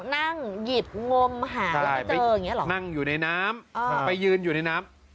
นั่งหยิบงมหาแล้วไม่เจอนั่งอยู่ในน้ำไปยืนอยู่ในน้ำ